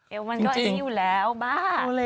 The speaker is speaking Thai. เอวมันก็อิ่วแล้วบ้า